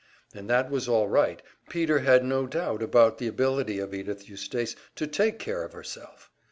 And that was all right, Peter had no doubt about the ability of Edythe Eustace to take care of herself.